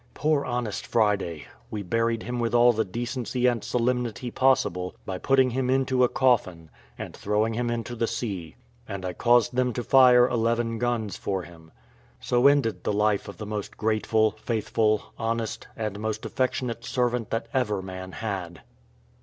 Poor honest Friday! We buried him with all the decency and solemnity possible, by putting him into a coffin, and throwing him into the sea; and I caused them to fire eleven guns for him. So ended the life of the most grateful, faithful, honest, and most affectionate servant that ever man had.